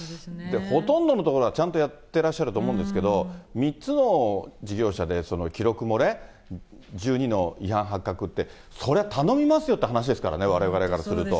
ほとんどの所がちゃんとやってらっしゃると思うんですけど、３つの事業者で記録漏れ、１２の違反発覚って、そりゃ頼みますよっていう話ですからね、われわれからすると。